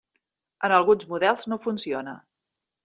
En alguns models no funciona.